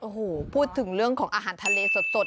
โอ้โหพูดถึงเรื่องของอาหารทะเลสด